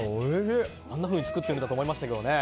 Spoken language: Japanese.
あんなふうに作ってるんだなと思いましたけどね。